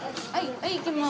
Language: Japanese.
はい行きまーす。